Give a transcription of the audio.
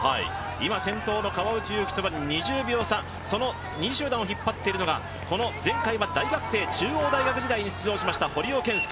今先頭の川内優輝とは２０秒差、今２位集団を引っ張っているのは中央大学時代に出場をしました堀尾謙介。